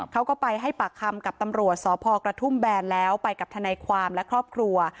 เขาก็ไปให้ปากคำกับตำรวจสพกระทุ่มแบนแล้วไปกับทนายความและครอบครัว